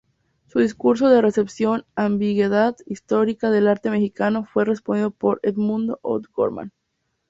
Su discurso de recepción "Ambigüedad histórica del arte mexicano" fue respondido por Edmundo O'Gorman.